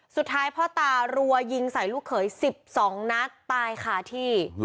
สุดท้ายพ่อตารัวยิงใส่ลูกเขย๑๒นัดตายขาที่